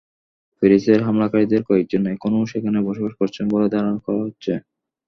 প্যারিসের হামলাকারীদের কয়েকজন এখনো সেখানে বসবাস করছেন বলে ধারণা করা হচ্ছে।